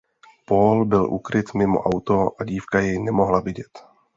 Paul byl ukryt mimo auto a dívka jej nemohla vidět.